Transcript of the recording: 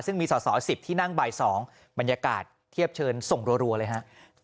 ซึ่งมีสอสอ๑๐ที่นั่งบ่าย๒บรรยากาศเทียบเชิญส่งรัวเลยฮะ